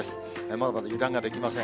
まだまだ油断ができません。